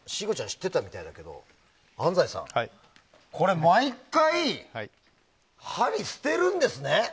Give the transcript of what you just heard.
知ってたみたいだけど安藤さん、これ毎回針捨てるんですね。